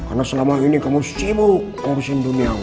karena selama ini kamu sibuk ngurusin dunia wih